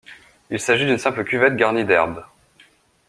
Il s’agit d’une simple cuvette garnie d’herbes.